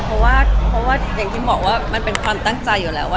เพราะว่ามันเป็นความตั้งใจอยู่แล้ว